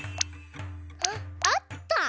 あっあった！